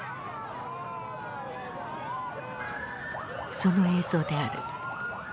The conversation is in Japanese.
その映像である。